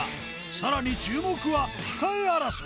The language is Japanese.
さらに注目は控え争い